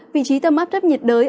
vị trí tâm áp thấp nhiệt đới